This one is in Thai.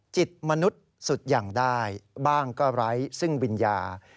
จิตมนุษย์สุดอย่างได้บ้างก็ไร้ซึ่งวิญญาณ